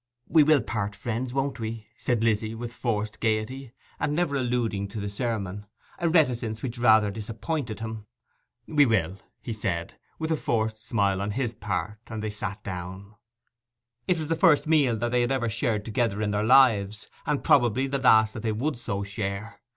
'We will part friends, won't we?' said Lizzy, with forced gaiety, and never alluding to the sermon: a reticence which rather disappointed him. 'We will,' he said, with a forced smile on his part; and they sat down. It was the first meal that they had ever shared together in their lives, and probably the last that they would so share.